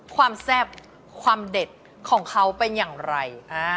ความแซ่บความเด็ดของเขาเป็นอย่างไร